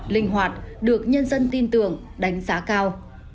linh hoạt được nhân dân tin tưởng đánh giá cao